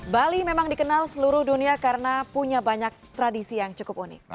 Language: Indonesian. bali memang dikenal seluruh dunia karena punya banyak tradisi yang cukup unik